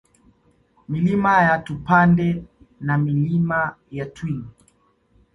Milima ya Tupande na Milima ya Twin